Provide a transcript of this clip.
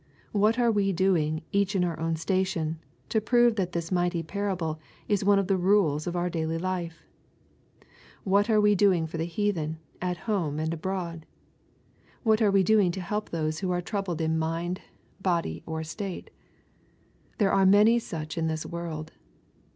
What are we doings each in our own station, to prove that .this mighty parable is one of the rules of our daily life ? What are we doing for the heathen, at home and abroad ? What are we doing to help those who are troubled S80 EXPOSITORY THOUGHTS. ( in mind, body, or estate? There are many snch in this world.